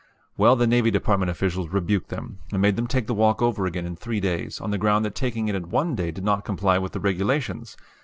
Well, the Navy Department officials rebuked them, and made them take the walk over again in three days, on the ground that taking it in one day did not comply with the regulations!